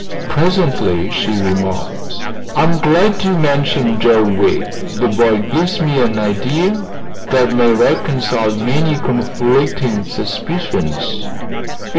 Presently she remarked: "I'm glad you mentioned Joe Wegg. The boy gives me an idea that may reconcile many conflicting suspicions."